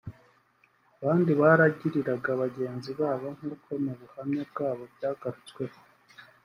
abandi baragiriraga bagenzi babo nk’uko mu buhamya bwabo byagarutsweho